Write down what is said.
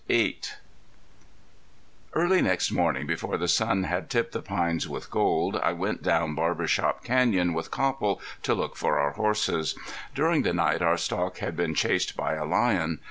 VII Early next morning before the sun had tipped the pines with gold I went down Barber Shop Canyon with Copple to look for our horses. During the night our stock had been chased by a lion.